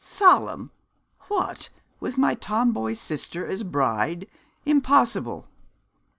'Solemn! what, with my Tomboy sister as bride! Impossible!'